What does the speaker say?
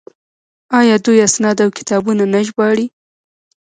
آیا دوی اسناد او کتابونه نه ژباړي؟